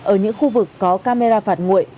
ở những khu vực có camera phạt nguội